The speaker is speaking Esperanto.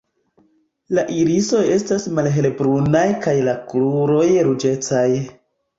La irisoj estas malhelbrunaj kaj la kruroj ruĝecaj.